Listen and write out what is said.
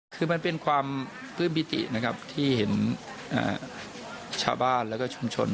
คือมันเป็นความปลื้มปิตินะครับที่เห็นชาวบ้านแล้วก็ชุมชน